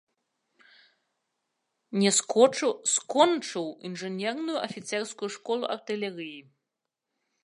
Скочыў інжынерную афіцэрскую школу артылерыі.